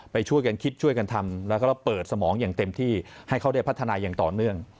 ไปช่วยกันคิดช่วยกันทำแล้วก็เปิดสมองอย่างเต็มที่ให้เขาได้พัฒนาอย่างต่อเนื่อง